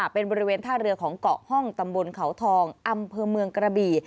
เป็นบริเวณท่าเรือของเกาะห้องตำบลเขาทองอำเภอเมืองกระบี่